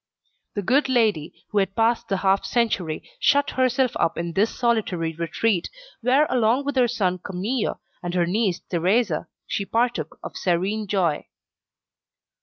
The good lady, who had passed the half century, shut herself up in this solitary retreat, where along with her son Camille and her niece Thérèse, she partook of serene joy.